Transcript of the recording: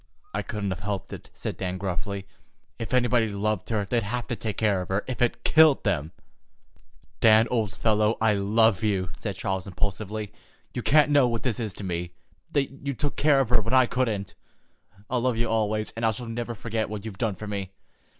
"I couldn't have helped it," said Dan gruffly. "If anybody loved her, they'd have to take care of her, if it killed 'em." "Dan, old fellow, I love you," said Charles impulsively. "You can't know what this is to me, that you took care of her when I couldn't. I'll love you always, and I shall never forget what you've done for me.